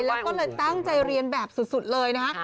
แล้วก็เลยตั้งใจเรียนแบบสุดเลยนะฮะ